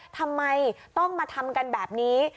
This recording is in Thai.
ทำไมต้องมาทำกันแบบนี้